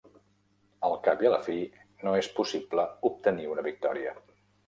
Al cap i a la fi, no és possible obtenir una victòria.